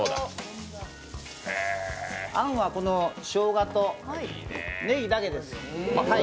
あんは、しょうがとねぎだけです。